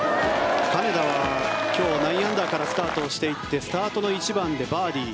金田は今日９アンダーからスタートしていってスタートの１番でバーディー。